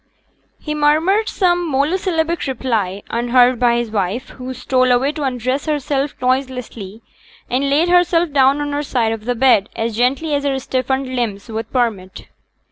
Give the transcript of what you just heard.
He murmured some monosyllabic reply, unheard by his wife, who stole away to undress herself noiselessly, and laid herself down on her side of the bed as gently as her stiffened limbs would permit.